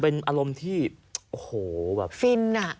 เป็นอารมณ์ที่โอ้โหแบบฟินอ่ะ